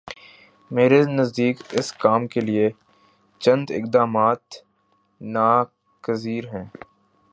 میرے نزدیک اس کام کے لیے چند اقدامات ناگزیر ہیں۔